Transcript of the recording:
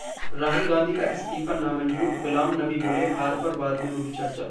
राहुल गांधी का इस्तीफा नामंजूर, गुलाम नबी बोले-हार पर बाद में होगी चर्चा